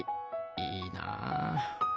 いいなあ。